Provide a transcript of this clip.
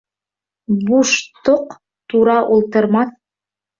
Буш тоҡ тура ултырмаҫ.